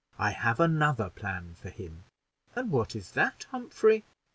I have another plan for him." "And what is that, Humphrey?"